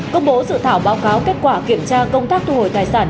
công bố dự thảo báo cáo kết quả kiểm tra công tác thu hồi tài sản